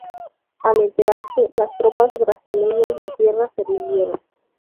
Al enterarse, las tropas brasileñas de tierra se rindieron.